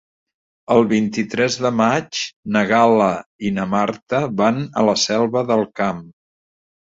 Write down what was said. El vint-i-tres de maig na Gal·la i na Marta van a la Selva del Camp.